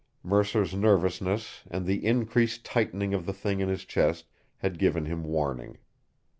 Mercer's nervousness and the increased tightening of the thing in his chest had given him warning.